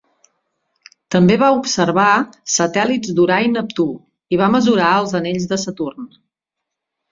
També va observar satèl·lits d'Urà i Neptú, i va mesurar els anells de Saturn.